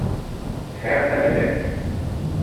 Sεiɣ tamellalt